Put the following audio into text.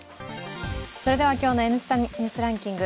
今日の「Ｎスタ・ニュースランキング」